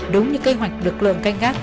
đúng như kế hoạch lực lượng canh gác